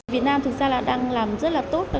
việt nam thực ra là đang làm rất là tốt